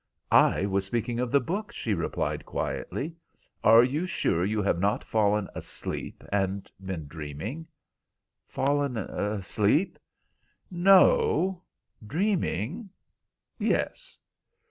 "I was speaking of the book," she replied quietly. "Are you sure you have not fallen asleep and been dreaming?" "Fallen asleep? No. Dreaming? Yes."